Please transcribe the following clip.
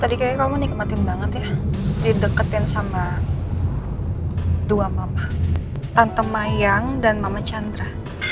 tadi kayaknya kamu nikmatin banget ya dideketin sama dua mama tante tante mayang dan mama chandra